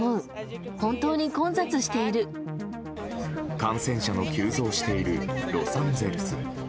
感染者の急増しているロサンゼルス。